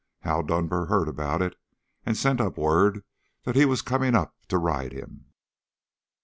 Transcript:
Hal Dunbar heard about it and sent up word that he was coming up to ride him."